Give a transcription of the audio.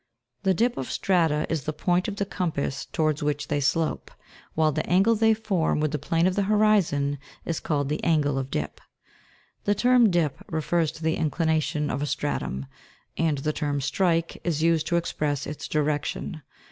13. The dip of strata is the point of the compass towards which they slope, while the angle they form with the plane of the horizon is called the angle of dip. The term dip refers to the inclination of a stratum, and the term strike is used to express its direction.